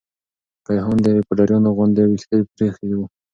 کيهان د پوډريانو غوندې ويښته پريخي وه.